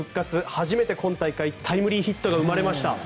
初めて今大会タイムリーヒットが生まれました。